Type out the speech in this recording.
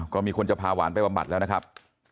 ก็มีคนจะพาหวานไปบำบัดแล้วนะครับ